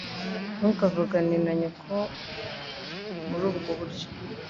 Ntukavugane na nyoko muri ubwo buryo